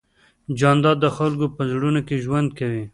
جانداد د خلکو په زړونو کې ژوند کوي.